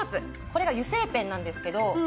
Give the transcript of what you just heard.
これが油性ペンなんですけど。